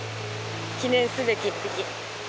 記念すべき１匹。